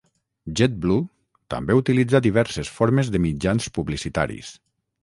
JetBlue també utilitza diverses formes de mitjans publicitaris.